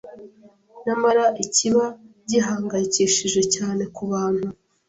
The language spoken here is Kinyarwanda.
nyamara ikiba gihangayikishije cyane ku bantu